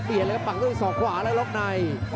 เปลี่ยนแล้วก็ปักด้วยส่อขวาและล๊อคใน